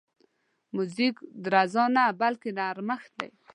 موزیک درز نه، بلکې نرمښت دی.